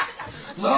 なあ！